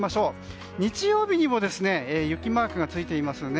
日曜日にも雪マークがついています。